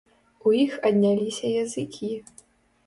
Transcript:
У іх адняліся языкі.